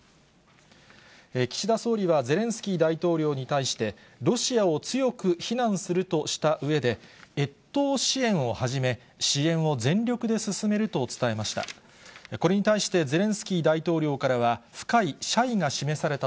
岸田総理はゼレンスキー大統領に対して、ロシアを強く非難するとしたうえで、越冬支援をはじめ、支援を全力で進めると伝えました。